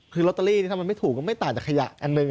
คือลอตเตอรี่ถ้ามันไม่ถูกก็ไม่ต่างจากขยะอันหนึ่ง